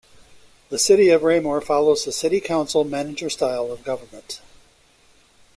The City of Raymore follows a City Council-Manager style of government.